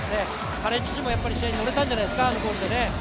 彼自身、すごい試合に乗れたんじゃないですか、あのゴールで。